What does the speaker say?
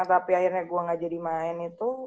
tapi akhirnya gue gak jadi main itu